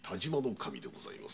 守殿でございます。